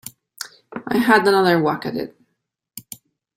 I had another whack at it.